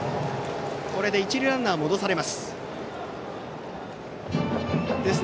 これで一塁ランナー戻されます。